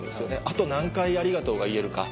あと何回「ありがとう」が言えるか。